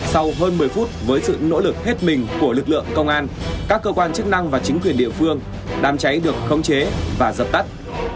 sau hơn một mươi phút với sự nỗ lực hết mình của lực lượng công an các cơ quan chức năng và chính quyền địa phương đám cháy được khống chế và dập tắt